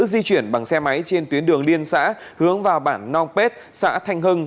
di chuyển bằng xe máy trên tuyến đường liên xã hướng vào bản nong pet xã thanh hưng